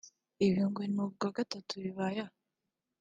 Ibi ngo ni ubwa gatatu bibaye aha